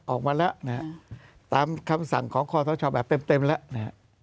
ออกมาแล้วนะฮะตามคำสั่งของข้อเท้าชอบแบบเต็มเต็มแล้วนะฮะ